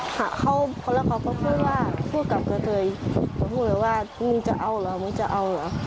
คนละเขาก็พูดว่าพูดกับเกอร์เทยพูดเลยว่ามึงจะเอาเหรอมึงจะเอาเหรอ